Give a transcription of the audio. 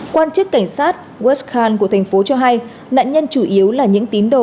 quan chức cảnh sát west khan của thành phố cho hay nạn nhân chủ yếu là những tín đồ